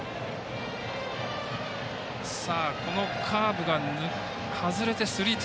このカーブが外れてスリーツ−。